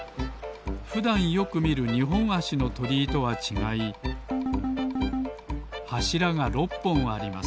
ふだんよくみる２ほんあしのとりいとはちがいはしらが６ぽんあります